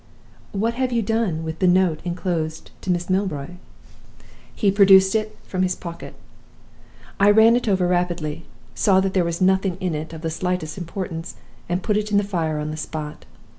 "'What have you done with the note inclosed to Miss Milroy?' "He produced it from his pocket. I ran it over rapidly saw that there was nothing in it of the slightest importance and put it in the fire on the spot.